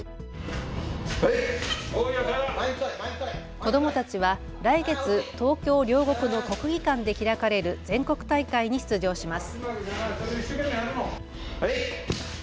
子どもたちは来月、東京両国の国技館で開かれる全国大会に出場します。